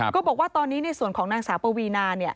ก็บอกว่าตอนนี้ในส่วนของนางสาวปวีนา